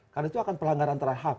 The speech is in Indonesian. karena itu akan pelanggaran terhad